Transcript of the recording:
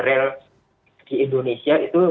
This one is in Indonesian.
rail di indonesia itu